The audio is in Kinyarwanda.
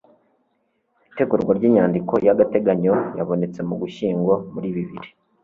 itegurwa ry'inyandiko y'agateganyo yabonetse mu ugushyingo muri bibiri